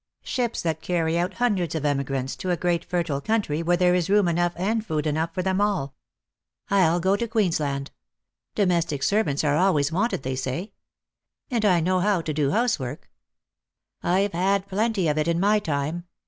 Ships that carry out hundreds of emigrants to a great fertile country where there is room enough and food enough for them all. I'll go to Queensland. Domestic servants are always wanted, thy say. And I know how to do housework. I've had plenty of it in my time.